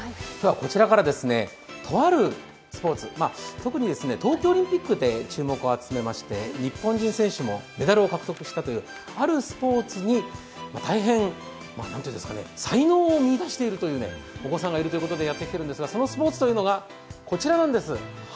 こちらから、とあるスポーツ、特に東京オリンピックで注目を集めまして日本人選手もメダルを獲得したというあるスポーツに大変、才能を見いだしているお子さんがいるということでやってきているんですが、そのスポーツというのが、こちらなんです。